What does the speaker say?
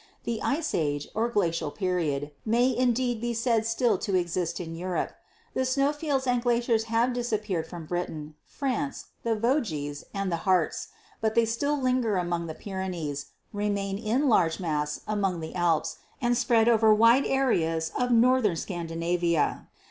The Ice Age, or Glacial Period, may indeed be said still to exist in Europe. The snow fields and glaciers have disappeared from Britain, France, the Vosges and the Harz, but they still linger among the Pyrenees, remain in larger mass among the Alps and spread over wide areas of northern Scandinavia.